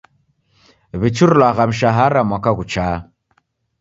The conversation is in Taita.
W'ichurilwagha mishara mwaka ghuchaa.